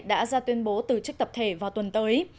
đã ra tuyên bố từ chức tập thể vào tuần tới